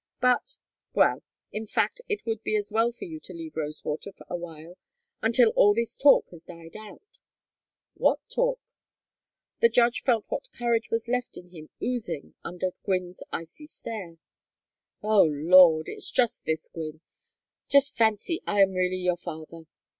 But well! in fact it would be as well for you to leave Rosewater for a while until all this talk has died out." "What talk?" The judge felt what courage was left in him oozing under Gwynne's icy stare. "Oh Lord! It's just this, Gwynne just fancy I am really your father.